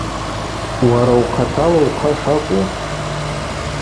Уара ухъатала ухъа шакӏву.